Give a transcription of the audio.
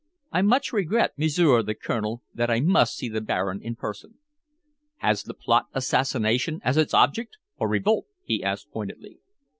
"I much regret, M'sieur the Colonel, that I must see the Baron in person." "Has the plot assassination as its object or revolt?" he asked pointedly.